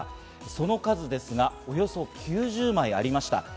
その数ですが、およそ９０枚ありました。